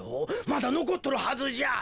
まだのこっとるはずじゃ。